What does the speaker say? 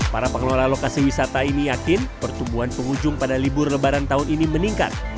para pengelola lokasi wisata ini yakin pertumbuhan pengunjung pada libur lebaran tahun ini meningkat